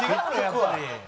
やっぱり。